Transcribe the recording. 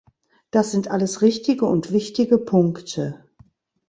Das sind alles richtige und wichtige Punkte.